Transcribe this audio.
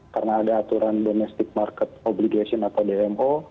karena ada aturan domestic market obligation atau dmo